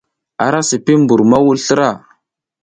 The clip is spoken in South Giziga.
A ra sipi mbur ma wuɗ slra.